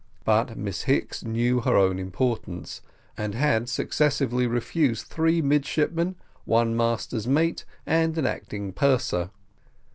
But Miss Hicks knew her own importance, and had successively refused three midshipmen, one master's mate, and an acting purser.